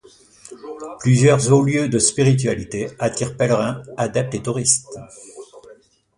Plusieurs hauts lieux de spiritualité attirent pèlerins, adeptes et touristes.